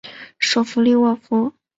首府利沃夫。